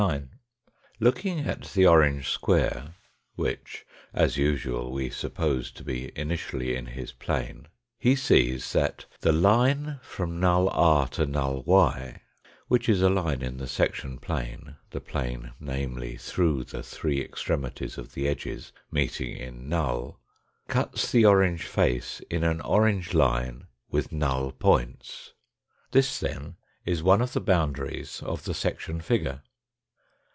Looking at the orange square, which, as usual, we suppose to be ini tially in his plane, he seen that the line from null r to null y, which is a line in the Nully. Null wh. Null A Fig. 119. section plane, the plane, namely, through the three extremities of the edges meeting in null, cuts the orange fcEMAfcKS ON THE fIGUfcES 196 face in an orange line with null points. This then is one of the boundaries of the section figure.